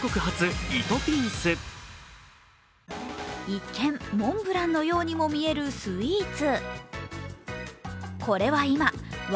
一見モンブランのようにも見えるスイーツ。